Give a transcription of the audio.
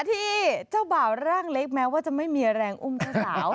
ที่เจ้าบ่าวร่างเล็กแม้ว่าจะไม่มีแรงอุ้มเจ้าสาว